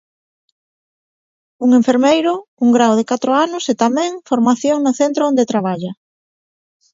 Un enfermeiro, un grao de catro anos e, tamén, formación no centro onde traballa.